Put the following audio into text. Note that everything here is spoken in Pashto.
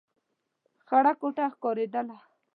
خړه کوټه ښکارېدله.